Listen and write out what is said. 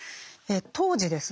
当時ですね